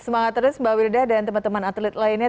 semangat terus mbak wilda dan teman teman atlet lainnya